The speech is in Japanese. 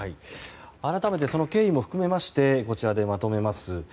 改めてその経緯も含めましてこちらにまとめます。